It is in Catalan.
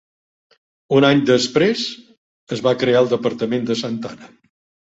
Un any després, es va crear el departament de Santa Ana.